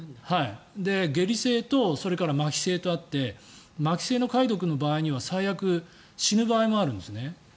下痢性とそれからまひ性とあってまひ性の貝毒の場合は最悪、死ぬ場合もあるんですね。